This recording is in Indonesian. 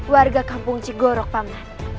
warga kampung cikgorok paman